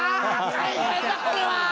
大変だこれは！